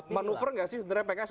manuver nggak sih sebenarnya pks